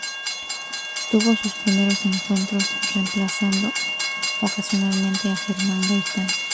Tuvo sus primeros encuentros remplazando ocasionalmente a Germán Gaitán.